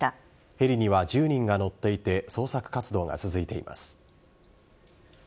ヘリには１０人が乗っていて捜索活動が続いています。